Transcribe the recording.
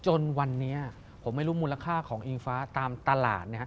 จนวันนี้ผมไม่รู้มูลค่าของอิงฟ้าตามตลาดนะครับ